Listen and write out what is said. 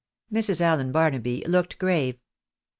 Mrs. Allen Barnaby looked grave.